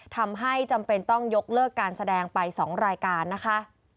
ทำให้จำเป็นต้องยกเลิกการแสดงไป๒รายการนะคะ